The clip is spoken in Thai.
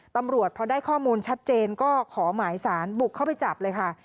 ตำรวจพอได้ข้อมูลชัดเจนก็ขอหมายสารบุกเข้าไปจับเลยค่ะ